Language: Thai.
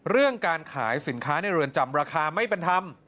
เรื่องการขายสินค้าในเรือนจำราคาไม่เป็นธรรม